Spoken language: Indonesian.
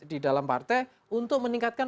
di dalam partai untuk meningkatkan